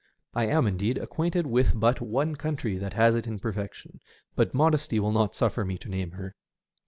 I am, indeed, acquainted with but one country that has it in perfection ; but modesty will not suffer me to name her.